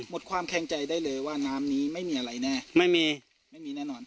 ความแข็งใจได้เลยว่าน้ำนี้ไม่มีอะไรแน่ไม่มีไม่มีแน่นอน